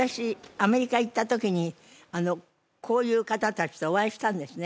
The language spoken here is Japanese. アメリカ行った時にこういう方達とお会いしたんですね